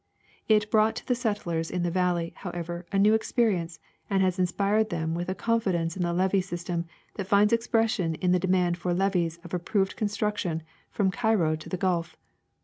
It brought to the settlers in the valley, however, a new experience, and has inspired them with a confidence in the levee system that finds expression in the demand for levees of approved con struction from Cairo to the Gulf.